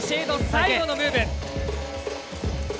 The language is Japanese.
最後のムーブ。